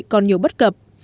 còn nhiều bất cập